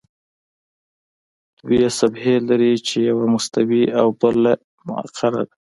دوه صفحې لري چې یوه مستوي او بله مقعره ده.